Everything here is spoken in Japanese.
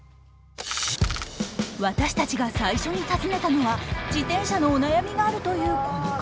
私たちが最初に訪ねたのは自転車のお悩みがあるというこの方。